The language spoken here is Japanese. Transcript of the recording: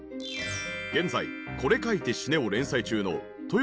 現在『これ描いて死ね』を連載中のとよ